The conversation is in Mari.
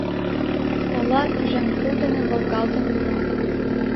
Ола тӱжем тул дене волгалтын йӱла.